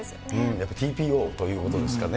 やっぱりＴＰＯということですかね。